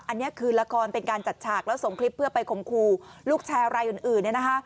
อันนี้คือละครเป็นการจัดฉากแล้วส่งคลิปเพื่อไปคมครูลูกแชร์รายอื่นเนี่ยนะคะ